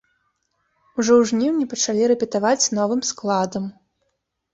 Ужо ў жніўні пачалі рэпетаваць новым складам.